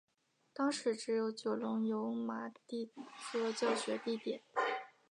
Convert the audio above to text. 当时只有九龙油麻地作教学地点。